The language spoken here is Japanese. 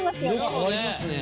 色変わりますね。